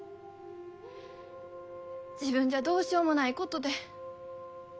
自分じゃどうしようもないことで。